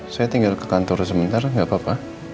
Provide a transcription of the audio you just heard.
saya tinggal ke kantor sebentar gak apa apa